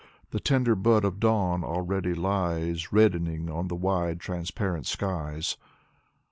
The tender bud of dawn already lies Reddening on the wide, transparent skies.